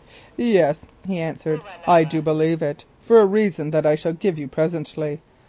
"Yes," he answered, "I do believe it for a reason that I shall give you presently.